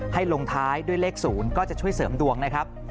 ให้ลงท้ายด้วยเลข๐ก็จะช่วยเสริมดวงนะครับ